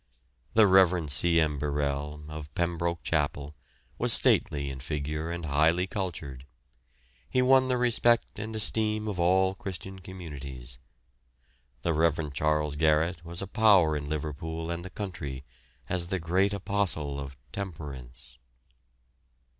The Rev. C. M. Birrell, of Pembroke Chapel, was stately in figure and highly cultured; he won the respect and esteem of all Christian communities. The Rev. Charles Garrett was a power in Liverpool and the country, as the great apostle of temperance.